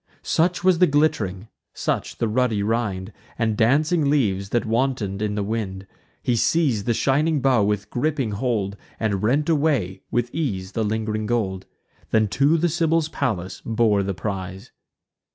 Such was the glitt'ring; such the ruddy rind, And dancing leaves, that wanton'd in the wind. He seiz'd the shining bough with griping hold, And rent away, with ease, the ling'ring gold; Then to the Sibyl's palace bore the prize.